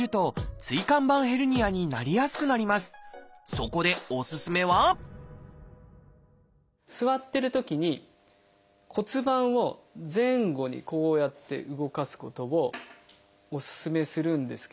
そこでおすすめは座ってるときに骨盤を前後にこうやって動かすことをおすすめするんですけど。